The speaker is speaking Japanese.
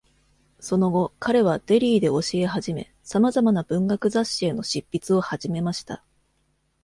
その後、彼はデリーで教え始め、様々な文学雑誌への執筆を始めました。